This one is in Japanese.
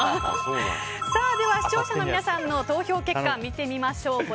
視聴者の皆さんの投票結果を見てみましょう。